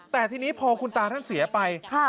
แต่ทีนี้พอคุณตาท่านเสียไป